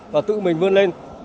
và tự mình vươn lên